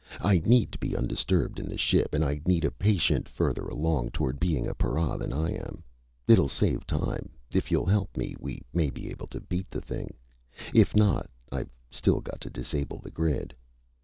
"I need to be undisturbed in the ship, and I need a patient further along toward being a para than I am. It'll save time. If you'll help, we may be able to beat the thing. If not, I've still got to disable the grid."